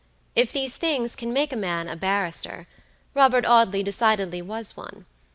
If these things can make a man a barrister, Robert Audley decidedly was one.